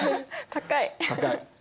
高い。